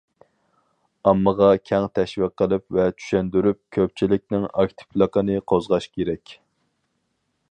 ئاممىغا كەڭ تەشۋىق قىلىپ ۋە چۈشەندۈرۈپ، كۆپچىلىكىنىڭ ئاكتىپلىقىنى قوزغاش كېرەك.